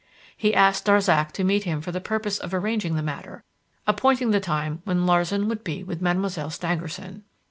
He asked Darzac to meet him for the purpose of arranging the matter, appointing the time when Larsan would be with Mademoiselle Stangerson.